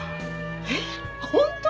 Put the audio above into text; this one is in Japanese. えっ本当？